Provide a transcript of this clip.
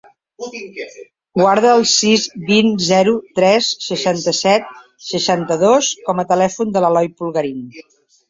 Guarda el sis, vint, zero, tres, seixanta-set, seixanta-dos com a telèfon de l'Eloy Pulgarin.